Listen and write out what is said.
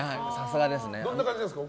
どんな感じですか？